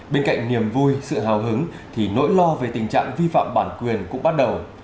bên cạnh niềm vui sự hào hứng thì nỗi lo về tình trạng vi phạm bản quyền cũng bắt đầu